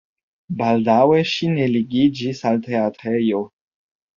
Baldaŭe ŝi ne ligiĝis al teatrejo.